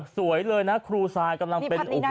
สวยเลยนะครูซายกำลังเป็น